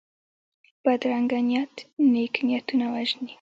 بدرنګه نیت نېک نیتونه وژني